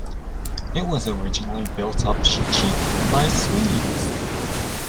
It was originally built up chiefly by Swedes.